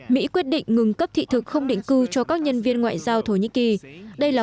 mỹ quyết định ngừng cấp thị thực không định cư cho các nhân viên ngoại giao thổ nhĩ kỳ đây là